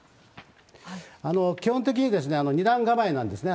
基本的に２段構えなんですね。